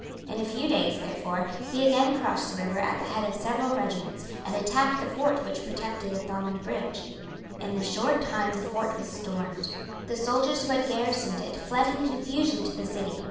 In a few days, therefore, he again crossed the river at the head of several regiments, and attacked the fort which protected the Thomond Bridge. In a short time the fort was stormed. The soldiers who had garrisoned it fled in confusion to the city.